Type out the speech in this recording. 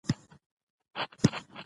په افغانستان کې ګاز ډېر اهمیت لري.